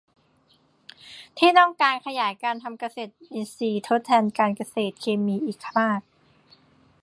ที่ต้องการขยายการทำเกษตรอินทรีย์ทดแทนเกษตรเคมีอีกมาก